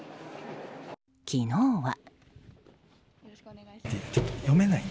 昨日は。